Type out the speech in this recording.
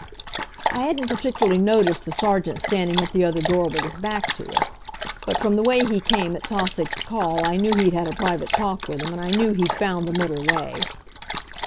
I hadn't particularly noticed the Sergeant standing at the other door with his back to us. But from the way he came at Tausig's call I knew he'd had a private talk with him, and I knew he'd found the middle way.